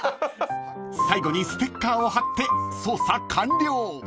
［最後にステッカーを貼って捜査完了］